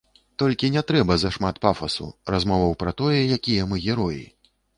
Толькі не трэба зашмат пафасу, размоваў пра тое, якія мы героі.